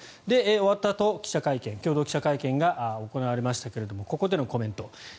終わったあと共同記者会見が行われましたがここでのコメント。